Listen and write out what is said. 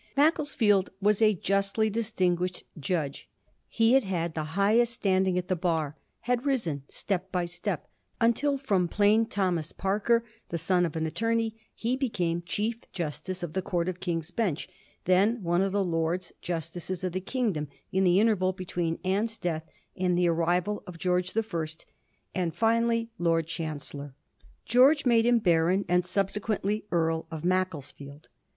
Macclesfield was a justly distinguished judge. He had had the highest standmg at the bar ; had risen, step by step, until irom plain Thomas Parker, the son of an attorney, he became Chief Justice of the Court of King's Bench, then one of the Lords Justices of the kingdom in the interval between Anne's death and the arrival of George the First, and finally Lord Chancellor. Greorge made him Baron, and subse quently Earl, of Maeclesfield.